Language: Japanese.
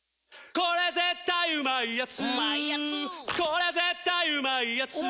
これ絶対うまいやつ」